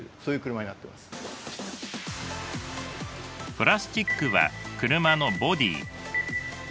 プラスチックは車のボディ